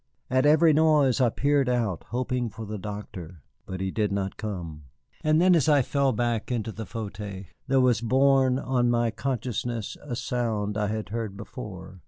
At every noise I peered out, hoping for the doctor. But he did not come. And then, as I fell back into the fauteuil, there was borne on my consciousness a sound I had heard before.